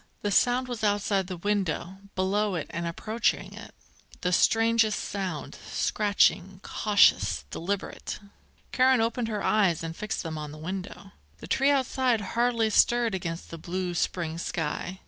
The sound was outside the window, below it and approaching it, the strangest sound, scratching, cautious, deliberate. Karen opened her eyes and fixed them on the window. The tree outside hardly stirred against the blue spring sky.